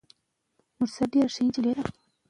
وړاندیز کېږي چې د مؤلدینو ترمنځ اړیکې پراخه شي.